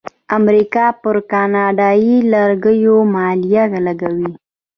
امریکا پر کاناډایی لرګیو مالیه لګوي.